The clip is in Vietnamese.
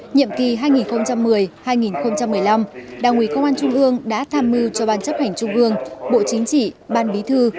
nhiệm kỳ hai nghìn một mươi hai nghìn một mươi năm đảng ủy công an trung ương đã tham mưu cho ban chấp hành trung ương bộ chính trị ban bí thư